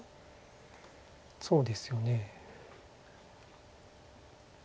そうですよね。